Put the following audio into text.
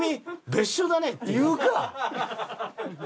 「別所だね」って言うか！